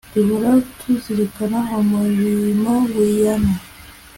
duhora tuzirikana umurimo wiana